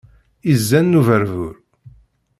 Izan n uberbur.